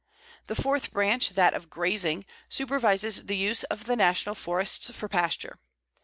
The fourth branch, that of Grazing, supervises the use of the National Forests for pasture.